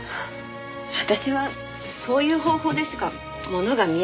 私はそういう方法でしか物が見えないから。